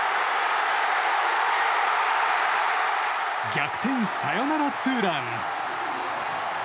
逆転サヨナラツーラン！